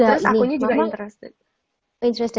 terus akunya juga interested